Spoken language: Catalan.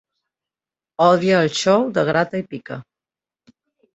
Odia el xou de Grata i Pica.